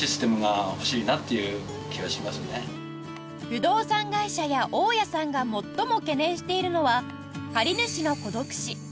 不動産会社や大家さんが最も懸念しているのは借主の孤独死